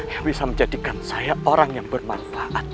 yang bisa menjadikan saya orang yang bermanfaat